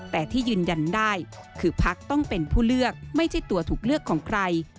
แต่ที่ยืนยันได้คือพักต้องเป็นผู้เลือกไม่ใช่ตัวถูกเลือกของใคร